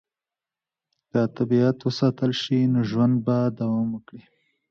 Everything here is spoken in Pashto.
که طبیعت وساتل شي، نو ژوند به دوام وکړي.